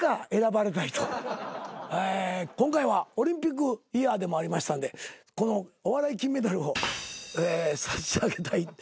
今回はオリンピックイヤーでもありましたんでこのお笑い金メダルを差し上げたい。